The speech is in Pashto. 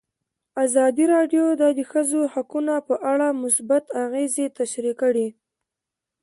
ازادي راډیو د د ښځو حقونه په اړه مثبت اغېزې تشریح کړي.